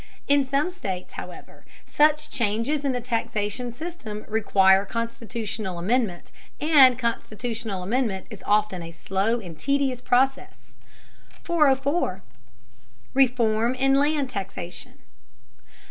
In some states, however, such changes in the taxation system require constitutional amendment, and constitutional amendment is often a slow and tedious process. 404. REFORM IN LAND TAXATION.